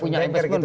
banker gitu kan